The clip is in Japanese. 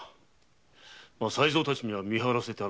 才三たちには見張らせてあるが。